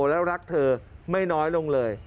แล้วรักเธอไม่น้อยลงเลย